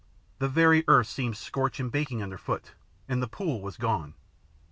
The very earth seemed scorched and baking underfoot and the pool was gone!